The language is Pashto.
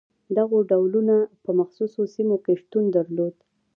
دغو ډولونه په مخصوصو سیمو کې شتون درلود.